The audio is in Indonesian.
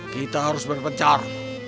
kita harus berpencar